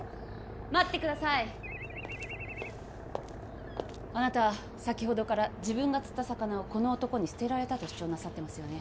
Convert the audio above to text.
待ってくださいあなた先ほどから自分が釣った魚をこの男に捨てられたと主張なさってますよね